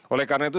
oleh karena itu